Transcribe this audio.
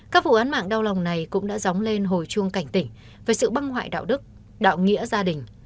các vụ án mạng đau lòng này cũng đã dóng lên hồi chuông cảnh tỉnh về sự băng hoại đạo đức đạo nghĩa gia đình